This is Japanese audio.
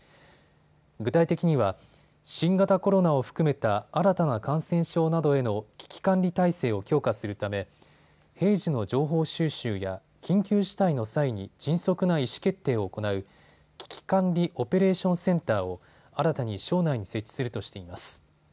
具体的には新型コロナを含めた新たな感染症などへの危機管理体制を強化するため平時の情報収集や緊急事態の際に迅速な意思決定を行う危機管理オペレーションセンターを新たに省内に設置するとしています。